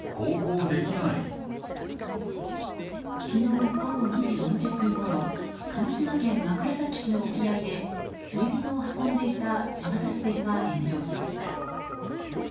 昨日午後２時４０分ごろ鹿児島県枕崎市の沖合で釣り人を運んでいた瀬渡し船が炎上しました。